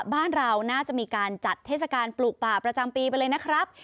บ้านเราน่าจะมีการจัดเทศกาลปลูกป่าประจำปีไปเลยนะครับ